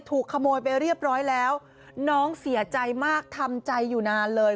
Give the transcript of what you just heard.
ถูกขโมยไปเรียบร้อยแล้วน้องเสียใจมากทำใจอยู่นานเลย